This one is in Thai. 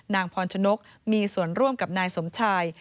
นางพรชนกมีส่วนร่วมกับนายสมชาย